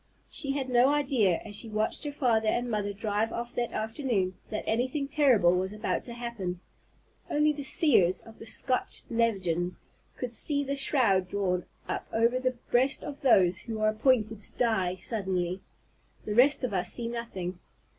She had no idea, as she watched her father and mother drive off that afternoon, that anything terrible was about to happen. Only the "seers" of the Scotch legends could see the shroud drawn up over the breast of those who are "appointed to die" suddenly; the rest of us see nothing.